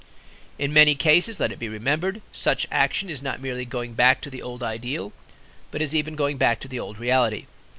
In many cases, let it be remembered, such action is not merely going back to the old ideal, but is even going back to the old reality.